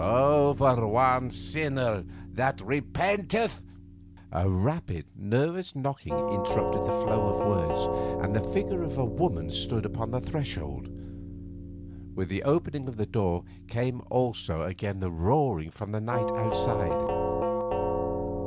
Over one sinner that repenteth ' A rapid, nervous knocking interrupted the flow of words, and the figure of a woman stood upon the threshold. With the opening of the door came also again the roaring from the night outside.